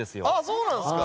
そうなんですか！